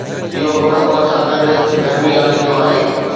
اهو پڻ ان سان گڏ گرمي آڻيندو آهي